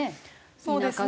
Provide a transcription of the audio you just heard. そうですね